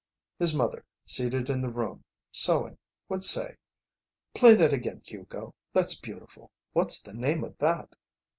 His mother, seated in the room, sewing, would say, "Play that again, Hugo. That's beautiful. What's the name of that?"